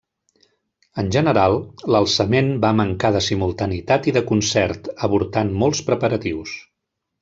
En general, l'alçament va mancar de simultaneïtat i de concert, avortant molts preparatius.